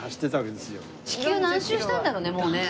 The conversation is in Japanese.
地球何周したんだろうねもうね。